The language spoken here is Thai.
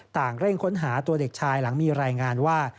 เร่งค้นหาตัวเด็กชายหลังมีรายงานว่า